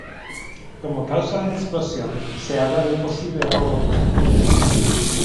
Como causa de la explosión se habla de un posible robo de gasolina.